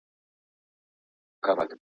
هغه د اصفهان له نیولو وروسته خپل پوځ منظم کړ.